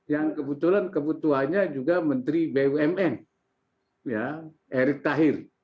yang kebetulan kebutuhannya juga menteri bumn erik tahir